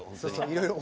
いろいろ。